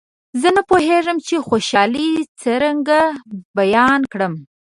زه نه پوهېږم چې خوشالي څرنګه بیان کړم.